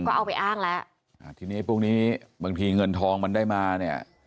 ก็เอาไปอ้างแล้วอ่าทีนี้พวกนี้บางทีเงินทองมันได้มาเนี่ย